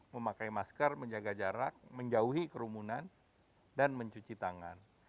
memakai masker menjaga jarak menjauhi kerumunan dan mencuci tangan